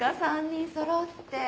３人そろって。